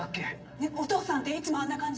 ねぇお父さんっていつもあんな感じ？